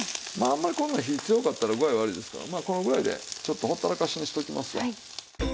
あんまりこんな火強かったら具合悪いですからまあこのぐらいでちょっとほったらかしにしておきますわ。